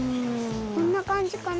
こんなかんじかな。